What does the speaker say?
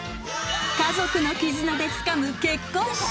家族の絆でつかむ結婚式。